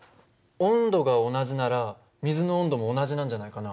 温度が同じなら水の温度も同じなんじゃないかな。